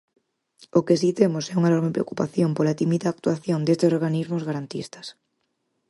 O que si temos é unha enorme preocupación pola tímida actuación destes organismos garantistas.